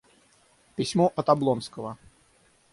Письмо от Облонского.